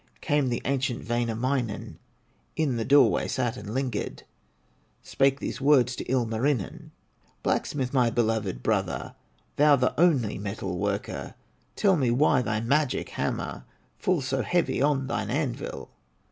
Came the ancient Wainamoinen, In the doorway sat and lingered, Spake these words to Ilmarinen: "Blacksmith, my beloved brother, Thou the only metal worker, Tell me why thy magic hammer Falls so heavy on thine anvil?"